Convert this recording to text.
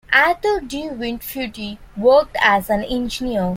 Arthur De Wint Foote worked as an engineer.